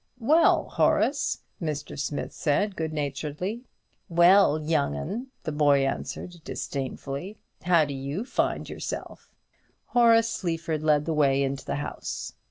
"Well, Horace!" Mr. Smith said, good naturedly. "Well, young 'un," the boy answered, disdainfully, "how do you find yourself?" Horace Sleaford led the way into the house.